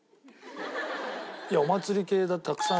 お祭り系たくさん。